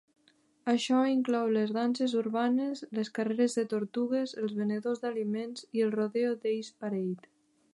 Això inclou les danses urbanes, les carreres de tortugues, els venedors d'aliments, i el "Rodeo Daze Parade".